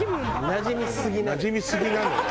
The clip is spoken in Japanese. なじみすぎなのよ。